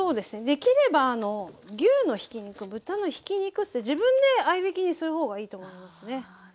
できれば牛のひき肉豚のひき肉って自分で合いびきにする方がいいと思いますね。